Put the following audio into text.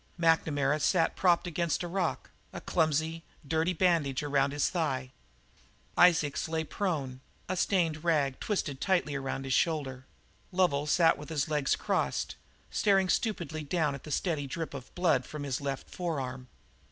McNamara sat propped against a rock, a clumsy, dirty bandage around his thigh; Isaacs lay prone, a stained rag twisted tightly around his shoulder; Lovel sat with his legs crossed, staring stupidly down to the steady drip of blood from his left forearm.